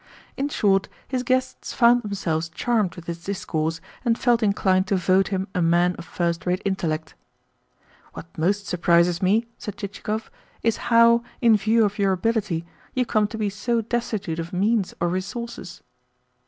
In short, his guests found themselves charmed with his discourse, and felt inclined to vote him a man of first rate intellect. "What most surprises me," said Chichikov, "is how, in view of your ability, you come to be so destitute of means or resources."